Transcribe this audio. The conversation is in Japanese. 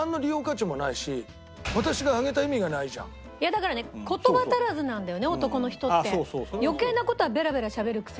だからね言葉足らずなんだよね男の人って。